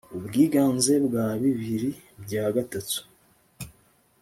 ubwiganze bwa bibiri bya gatatu